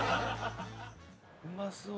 うまそう。